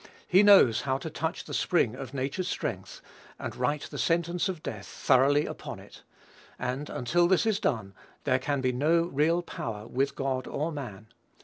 He knows how to touch the spring of nature's strength, and write the sentence of death thoroughly upon it; and until this is done, there can be no real "power with God or man."